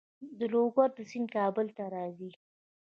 د لوګر سیند کابل ته راځي